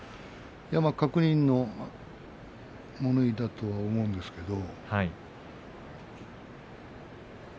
確認の物言いだとは思うんですけど。